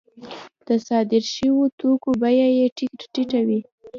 د صادر شویو توکو بیه یې ټیټه وي